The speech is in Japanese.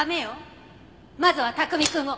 まずは卓海くんを。